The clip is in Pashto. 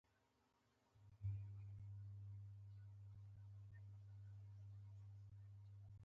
ښکاري د خوړو لپاره سخت زحمت باسي.